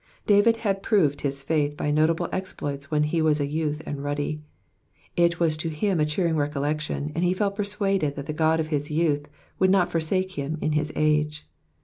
'' David had proved his faith by notable exploits when he was a youth and ruddy ; it was to him a cheering recollection, and he felt persuaded that the God of his youth would not forsake him in his age.